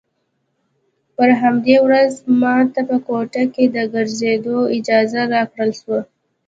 پر همدې ورځ ما ته په کوټه کښې د ګرځېدو اجازه راکړل سوه.